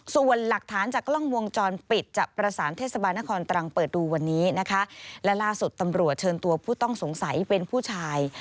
ส่วนหลักฐานจากกล้องวงจรปิดจะประสานเทศบาลนครตรังเปิดดูวันนี้นะคะและล่าสุดตำรวจเชิญตัวผู้ต้องสงสัยเป็นผู้ชาย